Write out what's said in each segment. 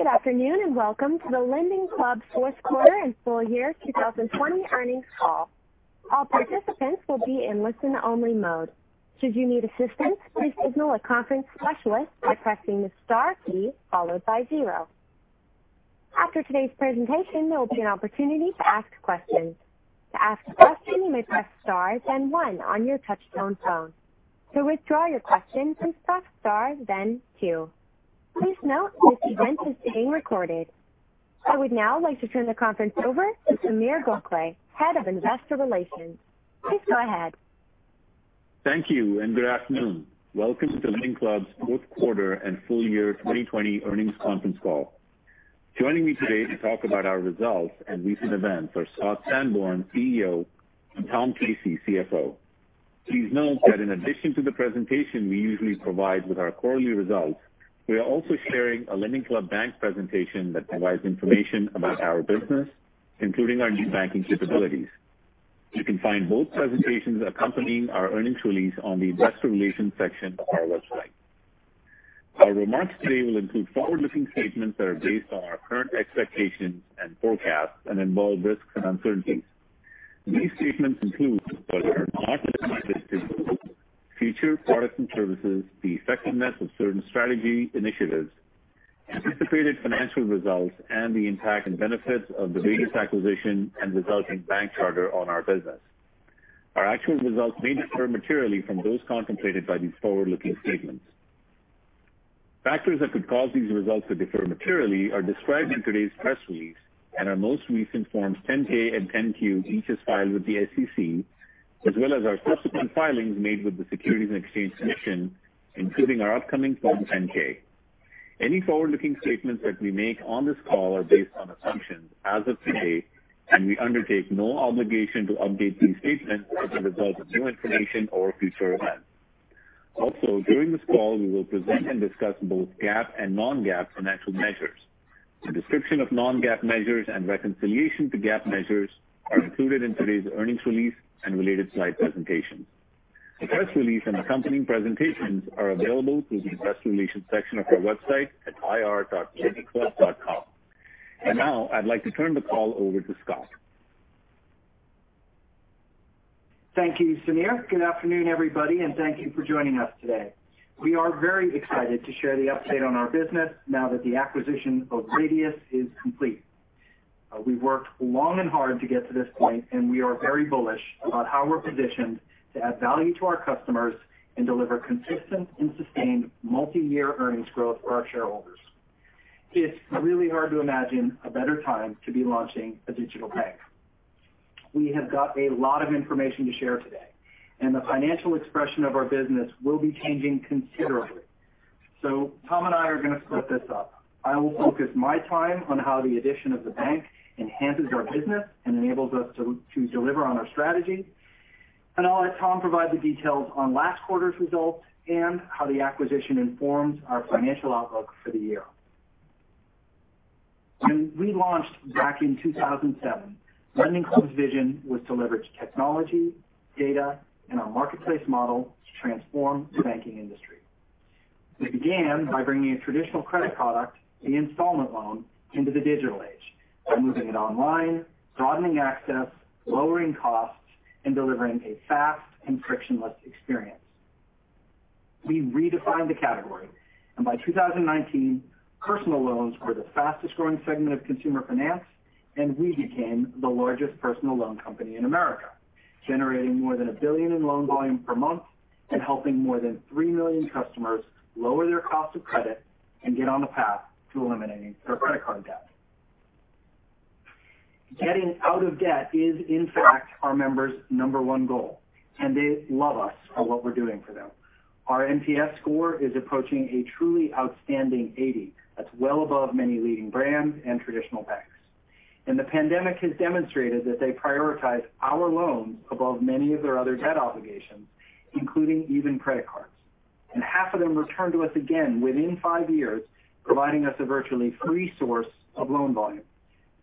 Good afternoon and welcome to the LendingClub Fourth Quarter and Full Year 2020 Earnings Call. All participants will be in listen-only mode. Should you need assistance, please signal a conference specialist by pressing the star key followed by zero. After today's presentation, there will be an opportunity to ask questions. To ask a question, you may press star, then one, on your touch-tone phone. To withdraw your question, please press star, then two. Please note this event is being recorded. I would now like to turn the conference over to Sameer Gokhale, Head of Investor Relations. Please go ahead. Thank you and good afternoon. Welcome to LendingClub's fourth quarter and full year 2020 earnings conference call. Joining me today to talk about our results and recent events are Scott Sanborn, CEO, and Tom Casey, CFO. Please note that in addition to the presentation we usually provide with our quarterly results, we are also sharing a LendingClub Bank presentation that provides information about our business, including our new banking capabilities. You can find both presentations accompanying our earnings release on the Investor Relations section of our website. Our remarks today will include forward-looking statements that are based on our current expectations and forecasts and involve risks and uncertainties. These statements include whether or not the business is to grow, future products and services, the effectiveness of certain strategy initiatives, anticipated financial results, and the impact and benefits of the latest acquisition and resulting bank charter on our business. Our actual results may differ materially from those contemplated by these forward-looking statements. Factors that could cause these results to differ materially are described in today's press release and our most recent Forms 10-K and 10-Q, each as filed with the SEC, as well as our subsequent filings made with the Securities and Exchange Commission, including our upcoming Form 10-K. Any forward-looking statements that we make on this call are based on assumptions as of today, and we undertake no obligation to update these statements as a result of new information or future events. Also, during this call, we will present and discuss both GAAP and non-GAAP financial measures. The description of non-GAAP measures and reconciliation to GAAP measures are included in today's earnings release and related slide presentations. The press release and accompanying presentations are available through the Investor Relations section of our website at ir.lendingclub.com. I'd like to turn the call over to Scott. Thank you, Sameer. Good afternoon, everybody, and thank you for joining us today. We are very excited to share the update on our business now that the acquisitio n of Radius is complete. We have worked long and hard to get to this point, and we are very bullish about how we are positioned to add value to our customers and deliver consistent and sustained multi-year earnings growth for our shareholders. It is really hard to imagine a better time to be launching a digital bank. We have got a lot of information to share today, and the financial expression of our business will be changing considerably. Tom and I are going to split this up. I will focus my time on how the addition of the bank enhances our business and enables us to deliver on our strategy, and I'll let Tom provide the details on last quarter's results and how the acquisition informs our financial outlook for the year. When we launched back in 2007, LendingClub's vision was to leverage technology, data, and our marketplace model to transform the banking industry. We began by bringing a traditional credit product, the installment loan, into the digital age, moving it online, broadening access, lowering costs, and delivering a fast and frictionless experience. We redefined the category, and by 2019, personal loans were the fastest-growing segment of consumer finance, and we became the largest personal loan company in America, generating more than $1 billion in loan volume per month and helping more than 3 million customers lower their cost of credit and get on the path to eliminating their credit card debt. Getting out of debt is, in fact, our members' number one goal, and they love us for what we're doing for them. Our NPS score is approaching a truly outstanding 80. That is well above many leading brands and traditional banks. The pandemic has demonstrated that they prioritize our loans above many of their other debt obligations, including even credit cards. Half of them returned to us again within five years, providing us a virtually free source of loan volume,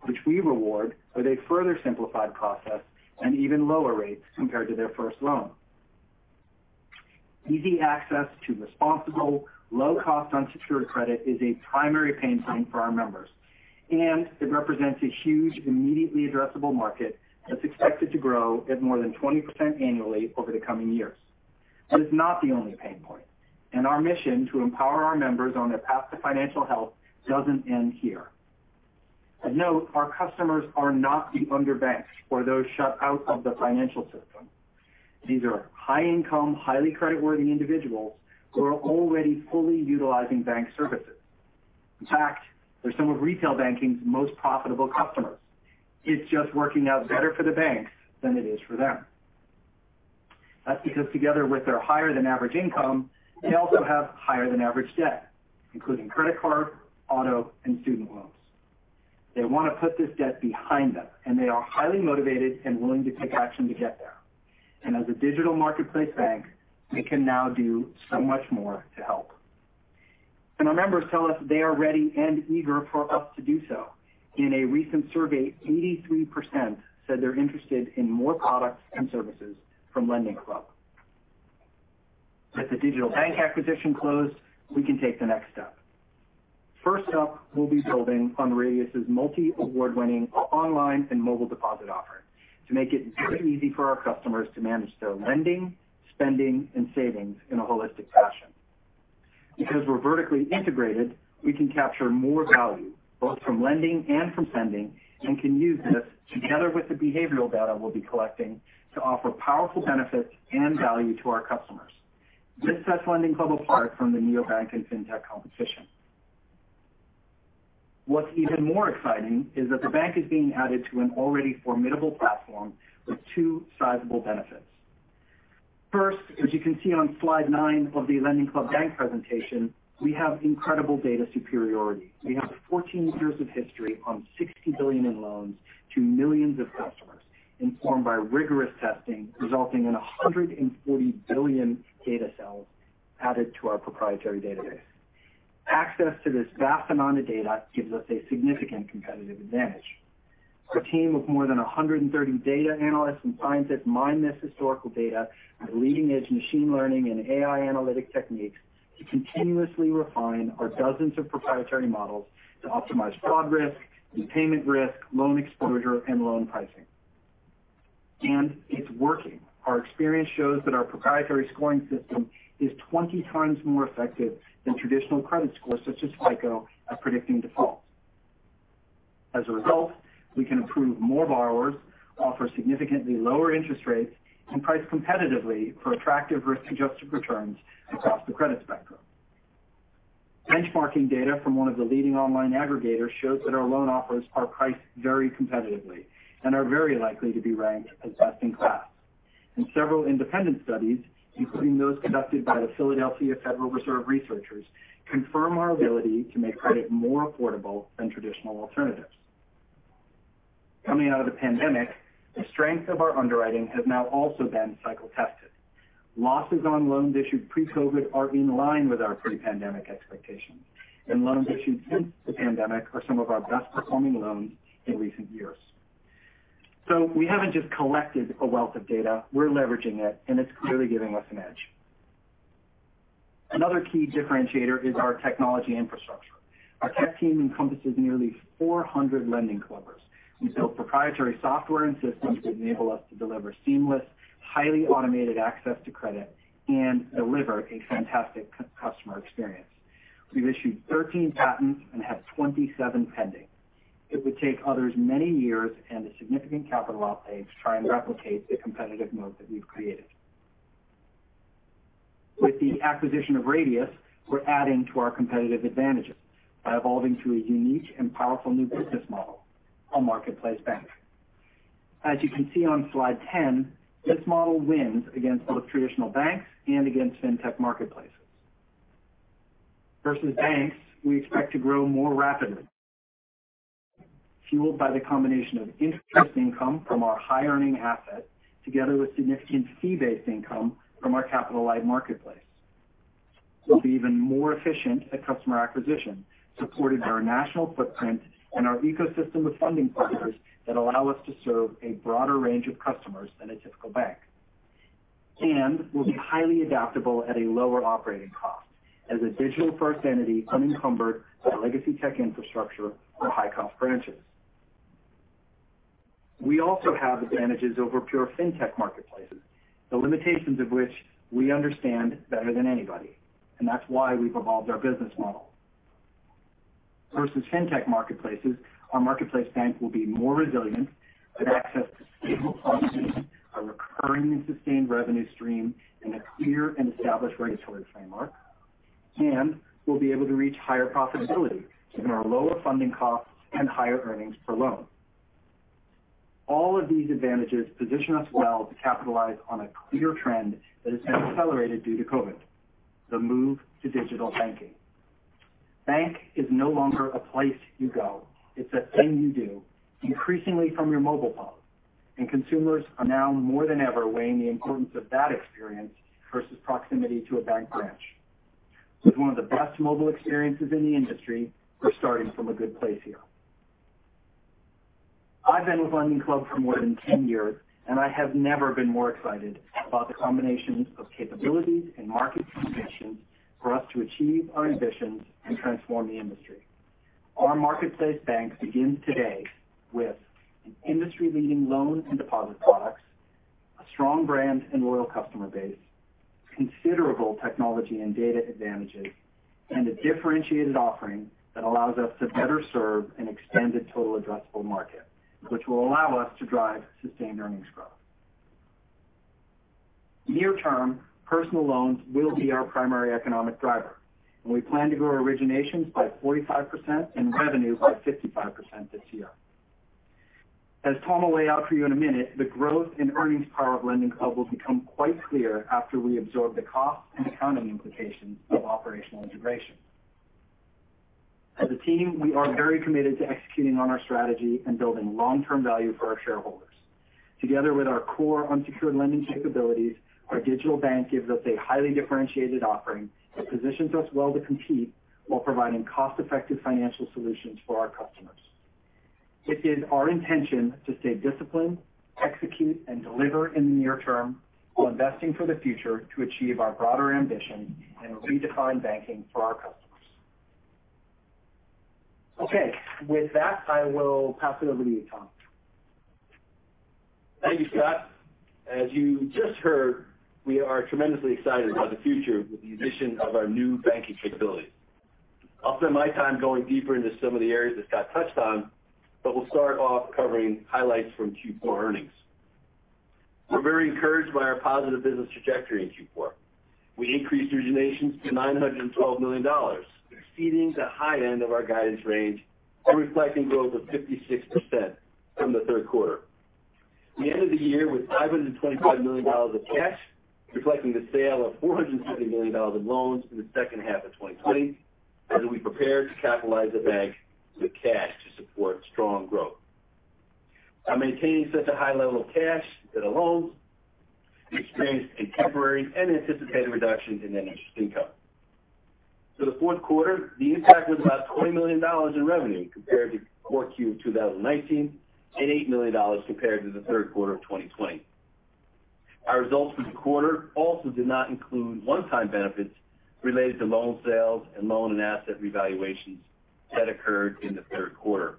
which we reward with a further simplified process and even lower rates compared to their first loan. Easy access to responsible, low-cost, unsecured credit is a primary pain point for our members, and it represents a huge, immediately addressable market that's expected to grow at more than 20% annually over the coming years. It is not the only pain point, and our mission to empower our members on their path to financial health does not end here. Of note, our customers are not the underbanked or those shut out of the financial system. These are high-income, highly credit-worthy individuals who are already fully utilizing bank services. In fact, they are some of retail banking's most profitable customers. It is just working out better for the banks than it is for them. That's because, together with their higher-than-average income, they also have higher-than-average debt, including credit card, auto, and student loans. They want to put this debt behind them, and they are highly motivated and willing to take action to get there. As a digital marketplace bank, they can now do so much more to help. Our members tell us they are ready and eager for us to do so. In a recent survey, 83% said they're interested in more products and services from LendingClub. With the digital bank acquisition closed, we can take the next step. First up, we'll be building on Radius's multi-award-winning online and mobile deposit offering to make it very easy for our customers to manage their lending, spending, and savings in a holistic fashion. Because we're vertically integrated, we can capture more value both from lending and from spending and can use this together with the behavioral data we'll be collecting to offer powerful benefits and value to our customers. This sets LendingClub apart from the neo-bank and fintech competition. What's even more exciting is that the bank is being added to an already formidable platform with two sizable benefits. First, as you can see on slide nine of the LendingClub Bank presentation, we have incredible data superiority. We have 14 years of history on $60 billion in loans to millions of customers informed by rigorous testing, resulting in 140 billion data cells added to our proprietary database. Access to this vast amount of data gives us a significant competitive advantage. Our team of more than 130 data analysts and scientists mine this historical data with leading-edge machine learning and AI analytic techniques to continuously refine our dozens of proprietary models to optimize fraud risk, repayment risk, loan exposure, and loan pricing. It is working. Our experience shows that our proprietary scoring system is 20 times more effective than traditional credit scores such as FICO at predicting default. As a result, we can approve more borrowers, offer significantly lower interest rates, and price competitively for attractive risk-adjusted returns across the credit spectrum. Benchmarking data from one of the leading online aggregators shows that our loan offers are priced very competitively and are very likely to be ranked as best in class. Several independent studies, including those conducted by the Philadelphia Federal Reserve researchers, confirm our ability to make credit more affordable than traditional alternatives. Coming out of the pandemic, the strength of our underwriting has now also been cycle-tested. Losses on loans issued pre-COVID are in line with our pre-pandemic expectations, and loans issued since the pandemic are some of our best-performing loans in recent years. We have not just collected a wealth of data; we are leveraging it, and it is clearly giving us an edge. Another key differentiator is our technology infrastructure. Our tech team encompasses nearly 400 LendingClubbers. We build proprietary software and systems that enable us to deliver seamless, highly automated access to credit and deliver a fantastic customer experience. We have issued 13 patents and have 27 pending. It would take others many years and a significant capital outlay to try and replicate the competitive moat that we have created. With the acquisition of Radius, we're adding to our competitive advantages by evolving to a unique and powerful new business model: a marketplace bank. As you can see on slide 10, this model wins against both traditional banks and against fintech marketplaces. Versus banks, we expect to grow more rapidly, fueled by the combination of interest income from our high-earning assets together with significant fee-based income from our capital-light marketplace. We'll be even more efficient at customer acquisition, supported by our national footprint and our ecosystem of funding partners that allow us to serve a broader range of customers than a typical bank. We will be highly adaptable at a lower operating cost as a digital-first entity unencumbered by legacy tech infrastructure or high-cost branches. We also have advantages over pure fintech marketplaces, the limitations of which we understand better than anybody, and that's why we've evolved our business model. Versus fintech marketplaces, our marketplace bank will be more resilient, with access to stable functions, a recurring and sustained revenue stream, and a clear and established regulatory framework. We will be able to reach higher profitability given our lower funding costs and higher earnings per loan. All of these advantages position us well to capitalize on a clear trend that has been accelerated due to COVID: the move to digital banking. Bank is no longer a place you go; it is a thing you do, increasingly from your mobile phone, and consumers are now more than ever weighing the importance of that experience versus proximity to a bank branch. With one of the best mobile experiences in the industry, we are starting from a good place here. I've been with LendingClub for more than 10 years, and I have never been more excited about the combination of capabilities and market conditions for us to achieve our ambitions and transform the industry. Our marketplace bank begins today with industry-leading loan and deposit products, a strong brand and loyal customer base, considerable technology and data advantages, and a differentiated offering that allows us to better serve an expanded total addressable market, which will allow us to drive sustained earnings growth. Near-term, personal loans will be our primary economic driver, and we plan to grow originations by 45% and revenue by 55% this year. As Tom will lay out for you in a minute, the growth and earnings power of LendingClub will become quite clear after we absorb the costs and accounting implications of operational integration. As a team, we are very committed to executing on our strategy and building long-term value for our shareholders. Together with our core unsecured lending capabilities, our digital bank gives us a highly differentiated offering that positions us well to compete while providing cost-effective financial solutions for our customers. It is our intention to stay disciplined, execute, and deliver in the near term, while investing for the future to achieve our broader ambition and redefine banking for our customers. Okay. With that, I will pass it over to you, Tom. Thank you, Scott. As you just heard, we are tremendously excited about the future with the addition of our new banking capabilities. I'll spend my time going deeper into some of the areas that Scott touched on, but we'll start off covering highlights from Q4 earnings. We're very encouraged by our positive business trajectory in Q4. We increased originations to $912 million, exceeding the high end of our guidance range and reflecting growth of 56% from the third quarter. We ended the year with $525 million of cash, reflecting the sale of $450 million of loans in the second half of 2020 as we prepared to capitalize the bank with cash to support strong growth. By maintaining such a high level of cash that alone we experienced a temporary and anticipated reduction in net interest income. For the fourth quarter, the impact was about $20 million in revenue compared to Q4 of 2019 and $8 million compared to the third quarter of 2020. Our results for the quarter also did not include one-time benefits related to loan sales and loan and asset revaluations that occurred in the third quarter.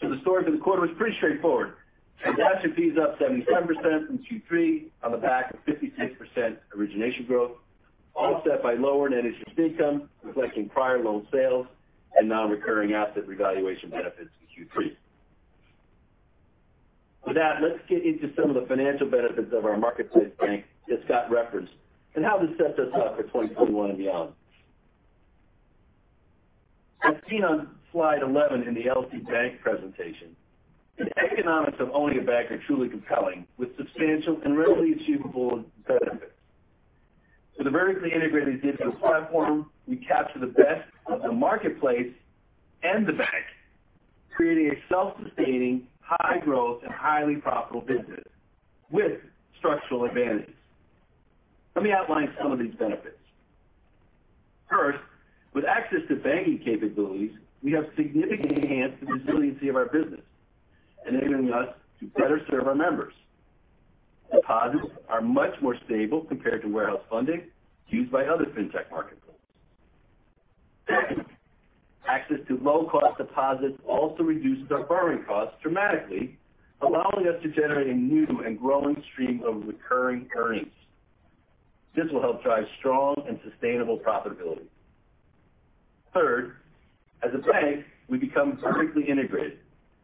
The story for the quarter was pretty straightforward. Transaction fees up 77% from Q3 on the back of 56% origination growth, offset by lower net interest income reflecting prior loan sales and non-recurring asset revaluation benefits in Q3. With that, let's get into some of the financial benefits of our marketplace bank that Scott referenced and how this sets us up for 2021 and beyond. As seen on slide 11 in the LC Bank presentation, the economics of owning a bank are truly compelling, with substantial and readily achievable benefits. With a vertically integrated digital platform, we capture the best of the marketplace and the bank, creating a self-sustaining, high-growth, and highly profitable business with structural advantages. Let me outline some of these benefits. First, with access to banking capabilities, we have significantly enhanced the resiliency of our business, enabling us to better serve our members. Deposits are much more stable compared to warehouse funding used by other fintech marketplace. Second, access to low-cost deposits also reduces our borrowing costs dramatically, allowing us to generate a new and growing stream of recurring earnings. This will help drive strong and sustainable profitability. Third, as a bank, we become vertically integrated,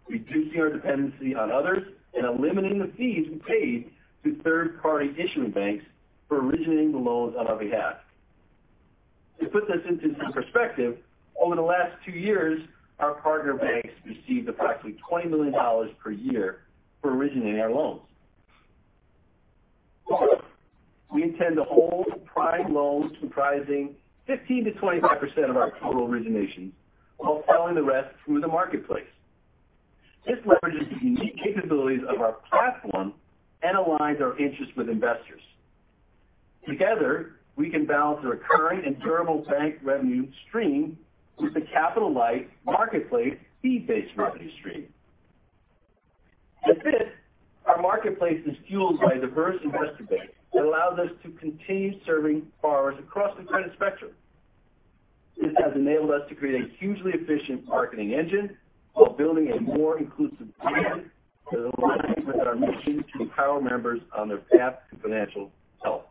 reducing our dependency on others and eliminating the fees we paid to third-party issuing banks for originating the loans on our behalf. To put this into some perspective, over the last two years, our partner banks received approximately $20 million per year for originating our loans. Fourth, we intend to hold prime loans comprising 15% to 25% of our total originations while selling the rest through the marketplace. This leverages the unique capabilities of our platform and aligns our interests with investors. Together, we can balance a recurring and durable bank revenue stream with the capital-light marketplace fee-based revenue stream. Fifth, our marketplace is fueled by a diverse investor base that allows us to continue serving borrowers across the credit spectrum. This has enabled us to create a hugely efficient marketing engine while building a more inclusive brand that aligns with our mission to empower members on their path to financial health.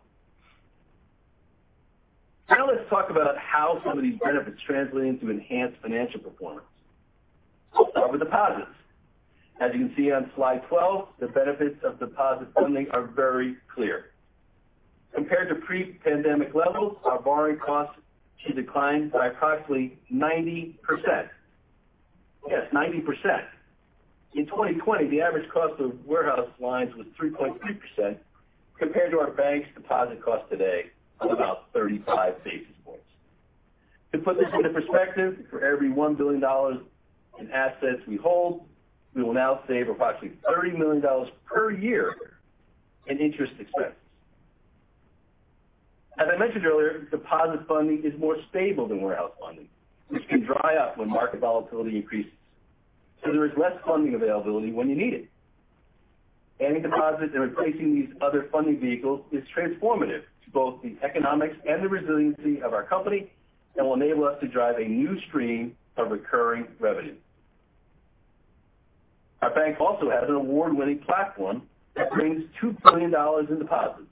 Now let's talk about how some of these benefits translate into enhanced financial performance. We'll start with deposits. As you can see on slide 12, the benefits of deposit funding are very clear. Compared to pre-pandemic levels, our borrowing costs have declined by approximately 90%. Yes, 90%. In 2020, the average cost of warehouse lines was 3.3% compared to our bank's deposit cost today of about 35 basis points. To put this into perspective, for every $1 billion in assets we hold, we will now save approximately $30 million per year in interest expenses. As I mentioned earlier, deposit funding is more stable than warehouse funding, which can dry up when market volatility increases. There is less funding availability when you need it. Adding deposits and replacing these other funding vehicles is transformative to both the economics and the resiliency of our company and will enable us to drive a new stream of recurring revenue. Our bank also has an award-winning platform that brings $2 billion in deposits,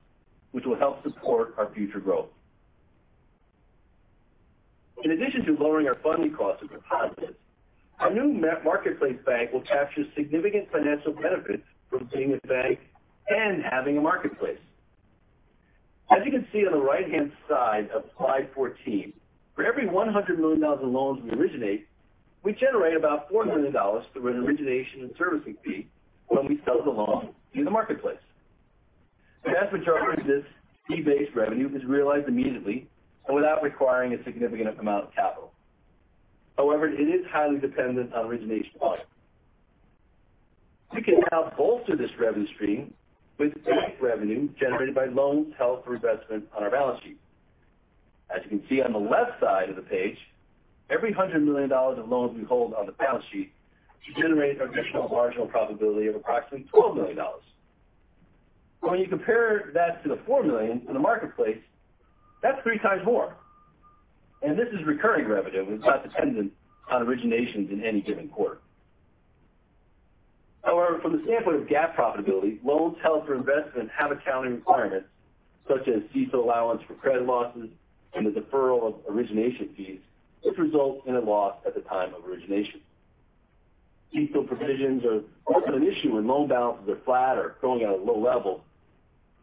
which will help support our future growth. In addition to lowering our funding costs with deposits, our new marketplace bank will capture significant financial benefits from being a bank and having a marketplace. As you can see on the right-hand side of slide 14, for every $100 million in loans we originate, we generate about $4 million through an origination and servicing fee when we sell the loans via the marketplace. The vast majority of this fee-based revenue is realized immediately and without requiring a significant amount of capital. However, it is highly dependent on origination costs. We can now bolster this revenue stream with bank revenue generated by loans held for investment on our balance sheet. As you can see on the left side of the page, every $100 million of loans we hold on the balance sheet generates our additional marginal profitability of approximately $12 million. When you compare that to the $4 million in the marketplace, that's three times more. This is recurring revenue and it's not dependent on originations in any given quarter. However, from the standpoint of GAAP profitability, loans held for investment have accounting requirements such as CECL allowance for credit losses and the deferral of origination fees, which results in a loss at the time of origination. CECL provisions are often an issue when loan balances are flat or growing at a low level.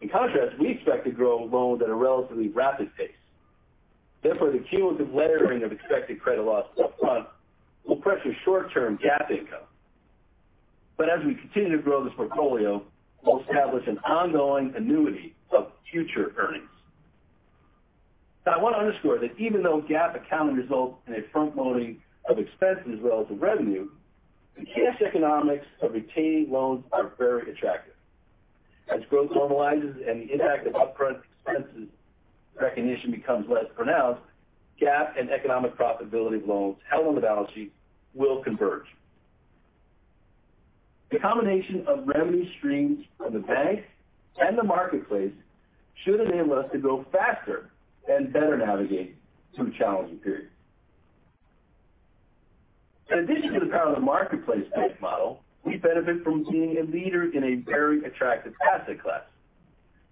In contrast, we expect to grow loans at a relatively rapid pace. Therefore, the cumulative layering of expected credit loss upfront will pressure short-term GAAP income. As we continue to grow this portfolio, we'll establish an ongoing annuity of future earnings. Now, I want to underscore that even though GAAP accounting results in a front-loading of expenses relative to revenue, the cash economics of retaining loans are very attractive. As growth normalizes and the impact of upfront expenses recognition becomes less pronounced, GAAP and economic profitability of loans held on the balance sheet will converge. The combination of revenue streams from the bank and the marketplace should enable us to grow faster and better navigate through challenging periods. In addition to the power of the marketplace-based model, we benefit from being a leader in a very attractive asset class.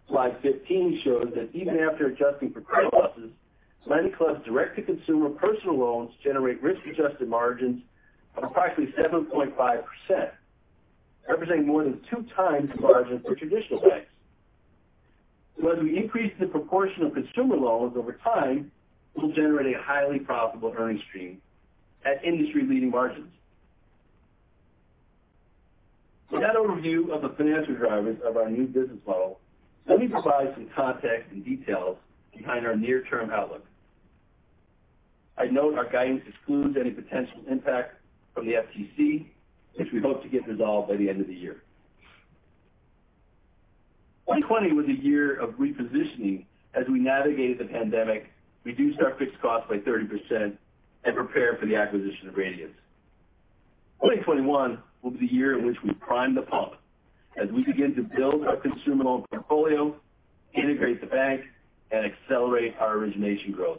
Slide 15 shows that even after adjusting for credit losses, LendingClub's direct-to-consumer personal loans generate risk-adjusted margins of approximately 7.5%, representing more than two times the margins for traditional banks. As we increase the proportion of consumer loans over time, we'll generate a highly profitable earnings stream at industry-leading margins. With that overview of the financial drivers of our new business model, let me provide some context and details behind our near-term outlook. I note our guidance excludes any potential impact from the FTC, which we hope to get resolved by the end of the year. 2020 was a year of repositioning as we navigated the pandemic, reduced our fixed costs by 30%, and prepared for the acquisition of Radius. 2021 will be the year in which we prime the pump as we begin to build our consumer loan portfolio, integrate the bank, and accelerate our origination growth.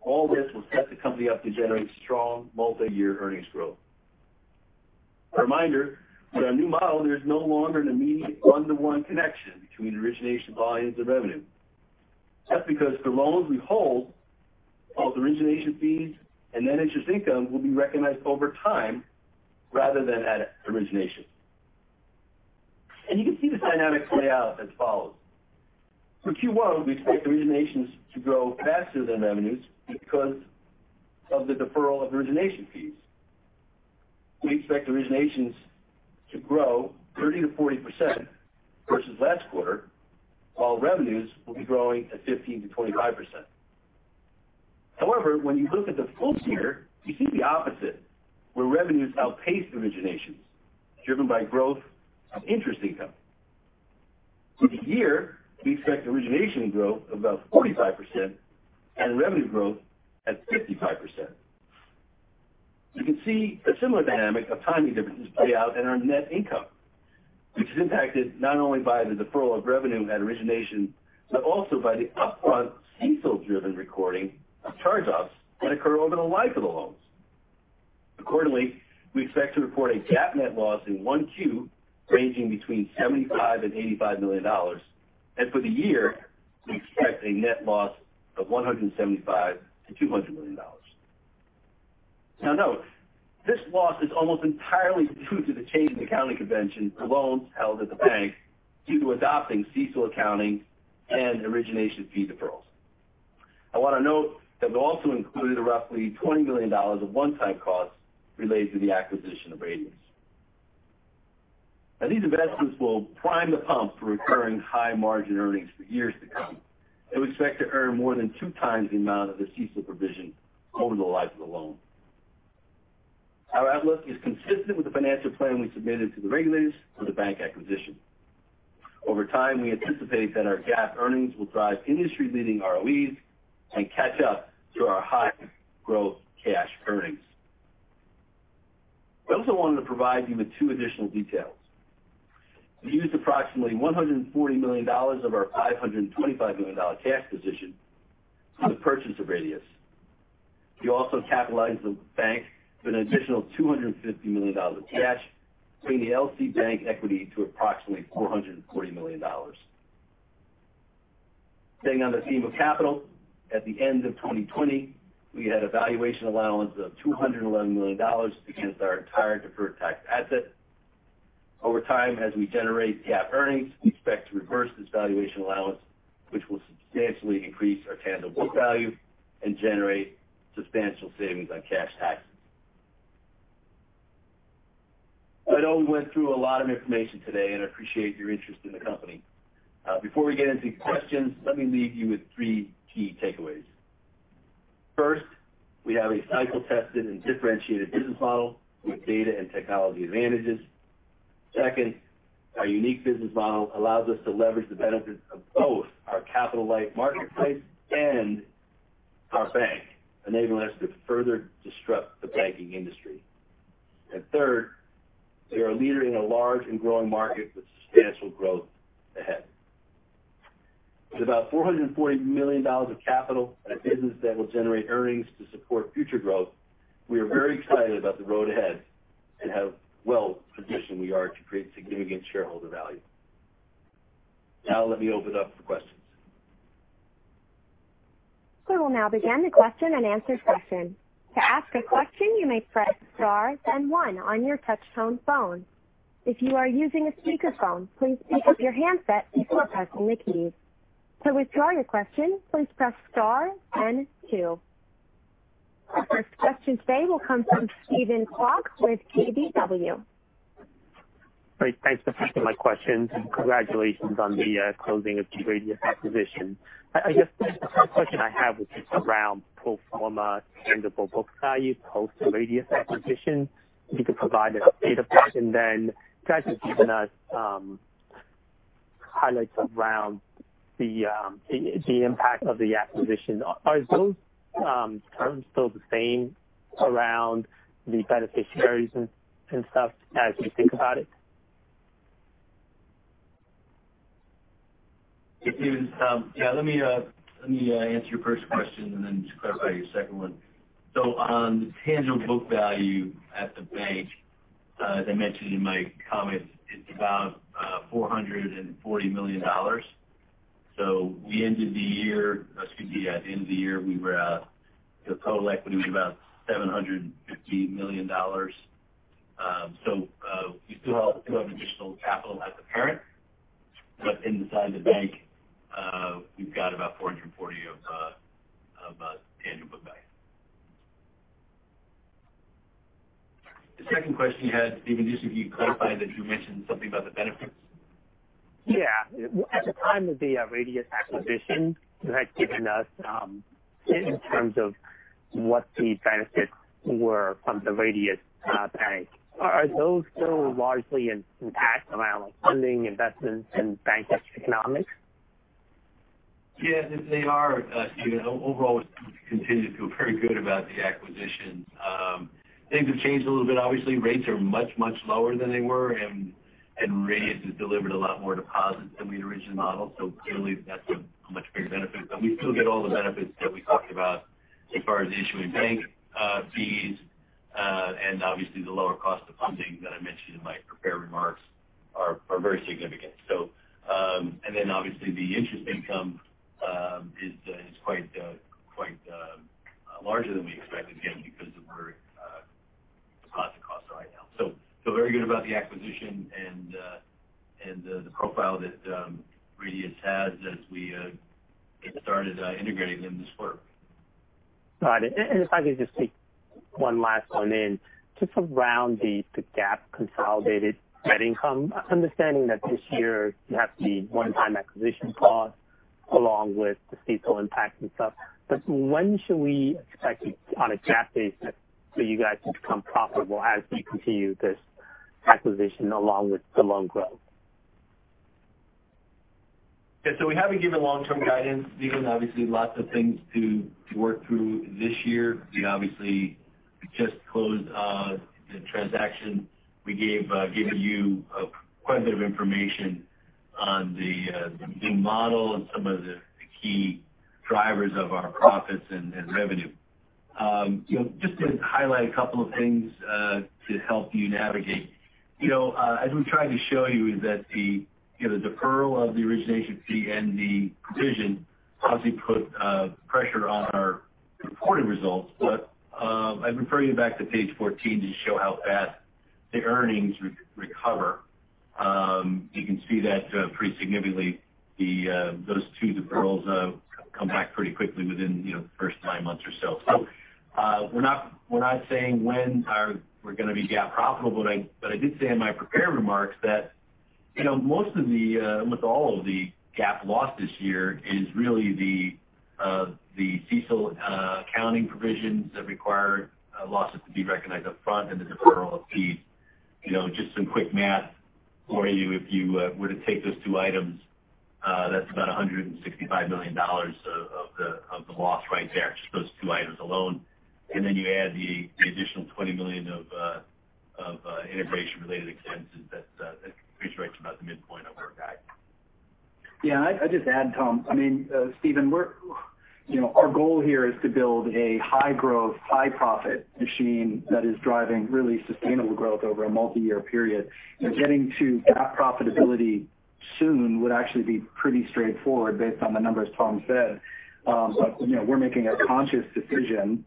All this will set the company up to generate strong multi-year earnings growth. A reminder, with our new model, there is no longer an immediate one-to-one connection between origination volumes and revenue. That is because the loans we hold, both origination fees and net interest income, will be recognized over time rather than at origination. You can see the dynamics layout as follows. For Q1, we expect originations to grow faster than revenues because of the deferral of origination fees. We expect originations to grow 30% to 40% versus last quarter, while revenues will be growing at 15% to 25%. However, when you look at the full year, you see the opposite, where revenues outpace originations, driven by growth of interest income. For the year, we expect origination growth of about 45% and revenue growth at 55%. You can see a similar dynamic of timing differences play out in our net income, which is impacted not only by the deferral of revenue at origination, but also by the upfront CECL-driven recording of charge-offs that occur over the life of the loans. Accordingly, we expect to report a GAAP net loss in Q1 ranging between $75-$85 million. For the year, we expect a net loss of $175-$200 million. Now, note, this loss is almost entirely due to the change in accounting convention for loans held at the bank due to adopting CECL accounting and origination fee deferrals. I want to note that we also included roughly $20 million of one-time costs related to the acquisition of Radius. These investments will prime the pump for recurring high-margin earnings for years to come. We expect to earn more than two times the amount of the CECL provision over the life of the loan. Our outlook is consistent with the financial plan we submitted to the regulators for the bank acquisition. Over time, we anticipate that our GAAP earnings will drive industry-leading ROEs and catch up to our high-growth cash earnings. I also wanted to provide you with two additional details. We used approximately $140 million of our $525 million cash position for the purchase of Radius. We also capitalized the bank with an additional $250 million of cash, bringing the LC Bank equity to approximately $440 million. Staying on the theme of capital, at the end of 2020, we had a valuation allowance of $211 million against our entire deferred tax asset. Over time, as we generate GAAP earnings, we expect to reverse this valuation allowance, which will substantially increase our tangible book value and generate substantial savings on cash taxes. I know we went through a lot of information today, and I appreciate your interest in the company. Before we get into questions, let me leave you with three key takeaways. First, we have a cycle-tested and differentiated business model with data and technology advantages. Second, our unique business model allows us to leverage the benefits of both our capital-light marketplace and our bank, enabling us to further disrupt the banking industry. Third, we are a leader in a large and growing market with substantial growth ahead. With about $440 million of capital and a business that will generate earnings to support future growth, we are very excited about the road ahead and how well positioned we are to create significant shareholder value. Now, let me open it up for questions. We will now begin the question and answer session. To ask a question, you may press star, then one on your touch-tone phone. If you are using a speakerphone, please pick up your handset before pressing the keys. To withdraw your question, please press star, then two. Our first question today will come from Steven Kwok with KBW. Great. Thanks for taking my questions. Congratulations on the closing of the Radius acquisition. I guess the question I have was just around pro forma tangible book value post-Radius acquisition. If you could provide a bit of. You guys have given us highlights around the impact of the acquisition. Are those terms still the same around the beneficiaries and stuff as we think about it? Yeah. Let me answer your first question and then just clarify your second one. On the tangible book value at the bank, as I mentioned in my comments, it's about $440 million. We ended the year—excuse me, yeah, at the end of the year, we were at total equity was about $750 million. We still have additional capital as a parent. Inside the bank, we've got about $440 million of tangible book value. The second question you had, Steven, just if you clarify that you mentioned something about the benefits. Yeah. At the time of the Radius acquisition, you had given us in terms of what the benefits were from the Radius Bank. Are those still largely intact around funding, investments, and banking economics? Yeah. They are. Overall, we've continued to feel very good about the acquisition. Things have changed a little bit. Obviously, rates are much, much lower than they were. And Radius has delivered a lot more deposits than we originally modeled. Clearly, that's a much bigger benefit. We still get all the benefits that we talked about as far as issuing bank fees and obviously the lower cost of funding that I mentioned in my prepared remarks are very significant. Obviously, the interest income is quite larger than we expected, again, because of where the deposit costs are right now. Feel very good about the acquisition and the profile that Radius has as we get started integrating them into this quarter. Got it. If I could just take one last one in just around the GAAP consolidated net income, understanding that this year you have the one-time acquisition cost along with the CECL impact and stuff. When should we expect on a GAAP basis for you guys to become profitable as we continue this acquisition along with the loan growth? Yeah. We have not given long-term guidance. Stephen, obviously, lots of things to work through this year. We obviously just closed the transaction. We gave you quite a bit of information on the new model and some of the key drivers of our profits and revenue. Just to highlight a couple of things to help you navigate. As we have tried to show you is that the deferral of the origination fee and the provision obviously put pressure on our reported results. I'd refer you back to page 14 to show how fast the earnings recover. You can see that pretty significantly those two deferrals come back pretty quickly within the first nine months or so. We're not saying when we're going to be GAAP profitable. I did say in my prepared remarks that most of the—almost all of the GAAP loss this year is really the CECL accounting provisions that require losses to be recognized upfront and the deferral of fees. Just some quick math for you. If you were to take those two items, that's about $165 million of the loss right there, just those two items alone. Then you add the additional $20 million of integration-related expenses that creates right to about the midpoint of our guide. Yeah. I just add, Tom. I mean, Steven, our goal here is to build a high-growth, high-profit machine that is driving really sustainable growth over a multi-year period. Getting to GAAP profitability soon would actually be pretty straightforward based on the numbers Tom said. We are making a conscious decision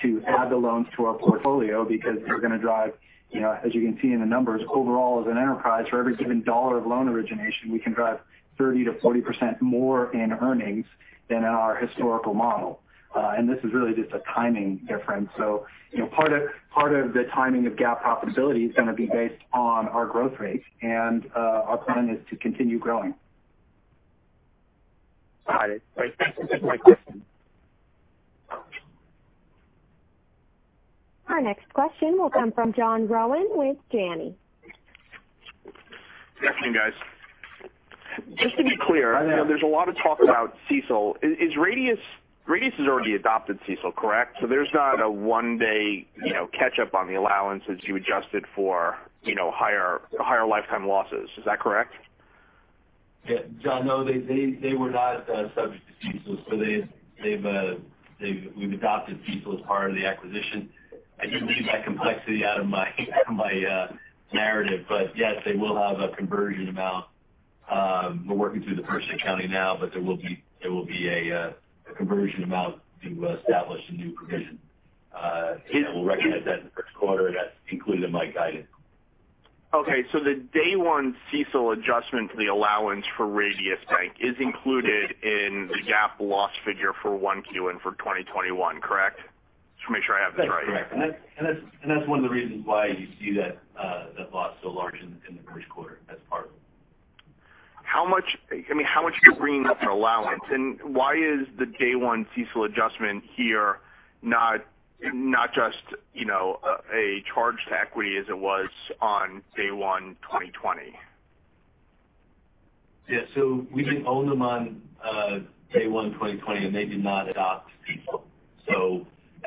to add the loans to our portfolio because we are going to drive, as you can see in the numbers, overall, as an enterprise, for every given dollar of loan origination, we can drive 30 to 40% more in earnings than in our historical model. This is really just a timing difference. Part of the timing of GAAP profitability is going to be based on our growth rate. Our plan is to continue growing. Got it. Great. Thanks for taking my question. Our next question will come from John Rowan with Janney. Good afternoon, guys. Just to be clear, there's a lot of talk about CECL. Radius has already adopted CECL, correct? So there's not a one-day catch-up on the allowances you adjusted for higher lifetime losses. Is that correct? Yeah. John, no. They were not subject to CECL. So we've adopted CECL as part of the acquisition. I didn't leave that complexity out of my narrative. Yes, they will have a conversion amount. We're working through the purchase accounting now. There will be a conversion amount to establish a new provision. We'll recognize that in the first quarter. That's included in my guidance. Okay. The day-one CECL adjustment for the allowance for Radius Bank is included in the GAAP loss figure for Q1 and for 2021, correct? Just to make sure I have this right. That's correct. That is one of the reasons why you see that loss so large in the first quarter as part of it. I mean, how much do you bring into the allowance? Why is the day-one CECL adjustment here not just a charge to equity as it was on day-one 2020? Yeah. We did not own them on day-one 2020, and they did not adopt CECL.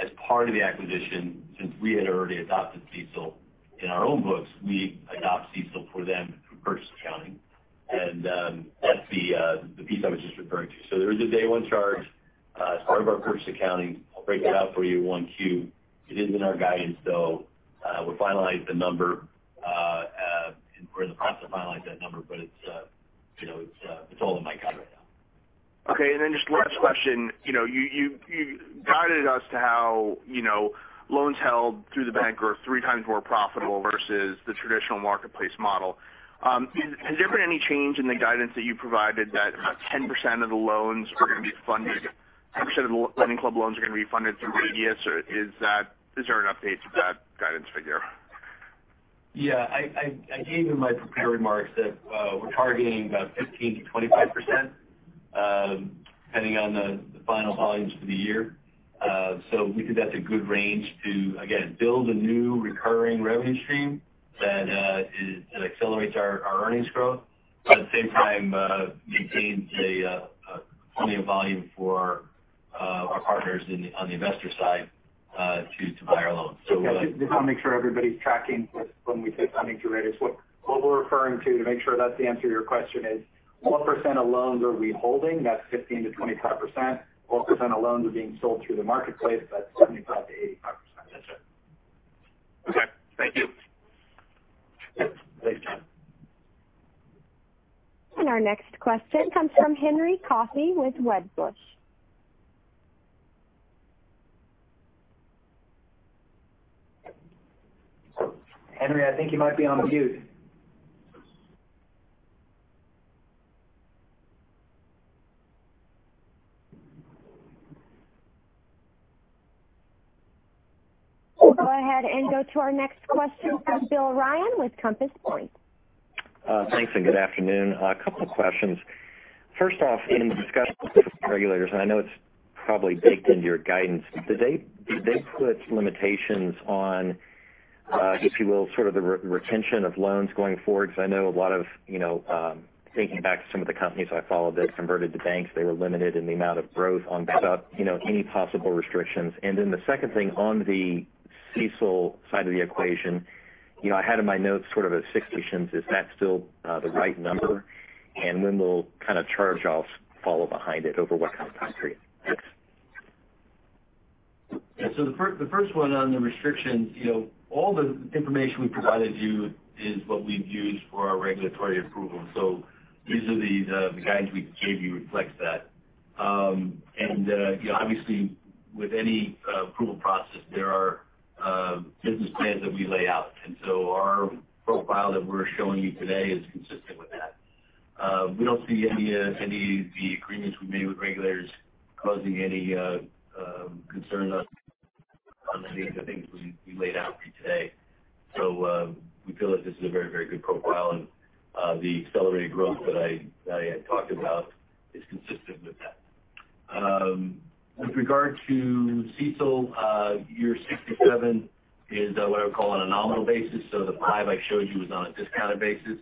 As part of the acquisition, since we had already adopted CECL in our own books, we adopt CECL for them through purchase accounting. That is the piece I was just referring to. There is a day-one charge as part of our purchase accounting. I will break it out for you 1Q. It is in our guidance, though. We will finalize the number. We are in the process of finalizing that number. It is all in my guide right now. Okay. Just last question. You guided us to how loans held through the bank are three times more profitable versus the traditional marketplace model. Has there been any change in the guidance that you provided that 10% of the loans are going to be funded? 10% of the LendingClub loans are going to be funded through Radius? Or is there an update to that guidance figure? Yeah. I gave in my prepared remarks that we're targeting about 15 to 25% depending on the final volumes for the year. We think that's a good range to, again, build a new recurring revenue stream that accelerates our earnings growth. At the same time, it maintains plenty of volume for our partners on the investor side to buy our loans. I just want to make sure everybody's tracking when we say funding through Radius. What we're referring to, to make sure that's the answer to your question, is what % of loans are we holding? That's 15 to 25%. What percent of loans are being sold through the marketplace? That's 75 to 85%. That's it. Okay. Thank you. Thanks, John. Our next question comes from Henry Coffey with Wedbush. Henry, I think you might be on mute. We'll go ahead and go to our next question from Bill Ryan with Compass Point. Thanks. Good afternoon. A couple of questions. First off, in the discussion with the regulators, and I know it's probably baked into your guidance, did they put limitations on, if you will, sort of the retention of loans going forward? Because I know a lot of—thinking back to some of the companies I followed that converted to banks—they were limited in the amount of growth on any possible restrictions. The second thing on the CECL side of the equation, I had in my notes sort of a 6%. Is that still the right number? When will kind of charge-offs follow behind it over what kind of time period? Yeah. The first one on the restrictions, all the information we provided you is what we've used for our regulatory approval. These are the guidance we gave you reflects that. Obviously, with any approval process, there are business plans that we lay out. Our profile that we're showing you today is consistent with that. We do not see any of the agreements we made with regulators causing any concerns on any of the things we laid out for you today. We feel that this is a very, very good profile. The accelerated growth that I had talked about is consistent with that. With regard to CECL, your 6% to 7% is what I would call on a nominal basis. The five I showed you was on a discounted basis.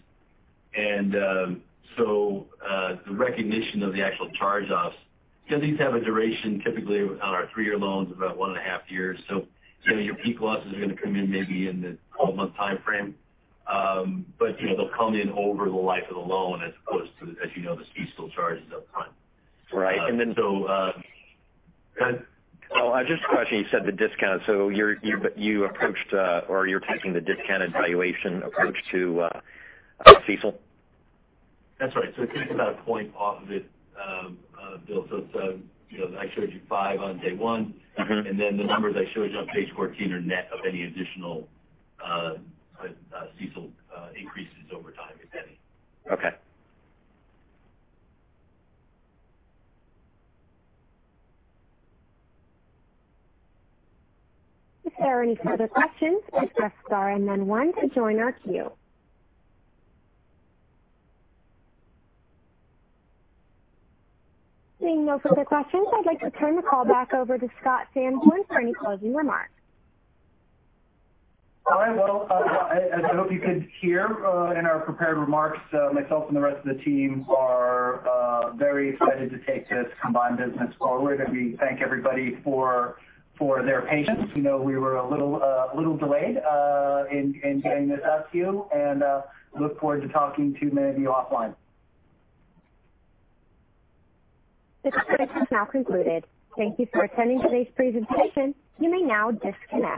The recognition of the actual charge-offs, these have a duration typically on our three-year loans of about one and a half years. Your peak losses are going to come in maybe in the 12-month time frame. They will come in over the life of the loan as opposed to, as you know, the CECL charges upfront. Right. I just questioned you. You said the discount. You approached or you're taking the discounted valuation approach to CECL? That's right. It takes about a point off of it, Bill. I showed you five on day one. The numbers I showed you on page 14 are net of any additional CECL increases over time, if any. Okay. If there are any further questions, plese press star one one to join our queue. Seeing no further questions, I'd like to turn the call back over to Scott Sanborn for any closing remarks. I hope you could hear in our prepared remarks. Myself and the rest of the team are very excited to take this combined business forward. We thank everybody for their patience. We were a little delayed in getting this out to you. We look forward to talking to many of you offline. This session is now concluded. Thank you for attending today's presentation. You may now disconnect.